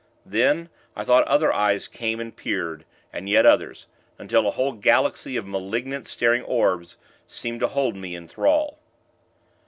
Then, I thought other eyes came and peered, and yet others; until a whole galaxy of malignant, staring orbs seemed to hold me in thrall.